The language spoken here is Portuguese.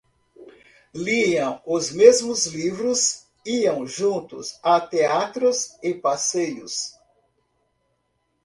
Liam os mesmos livros, iam juntos a teatros e passeios.